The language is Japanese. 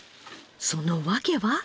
その訳は？